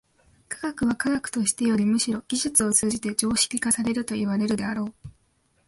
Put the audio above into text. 科学は科学としてよりむしろ技術を通じて常識化されるといわれるであろう。